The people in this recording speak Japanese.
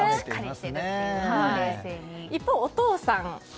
一方、お父さん。